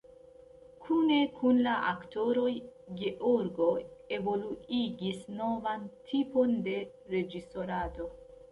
Kune kun la aktoroj Georgo evoluigis novan tipon de reĝisorado.